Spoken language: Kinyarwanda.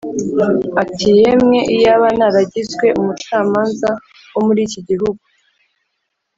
ati “Yemwe, iyaba naragizwe umucamanza wo muri iki gihugu